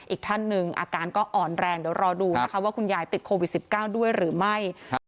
อีกท่านหนึ่งอาการก็อ่อนแรงเดี๋ยวรอดูนะคะว่าคุณยายติดโควิด๑๙ด้วยหรือไม่